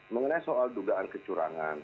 mengenai soal dugaan kecurangan